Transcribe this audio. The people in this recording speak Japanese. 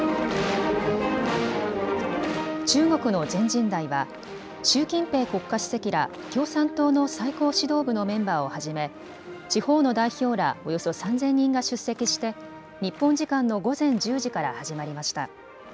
中国の全人代は習近平国家主席ら共産党の最高指導部のメンバーをはじめ地方の代表らおよそ３０００人が出席して日本時間の午前１０時から始まりました。